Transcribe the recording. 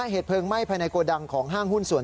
เหตุเพลิงไหม้ภายในโกดังของห้างหุ้นส่วน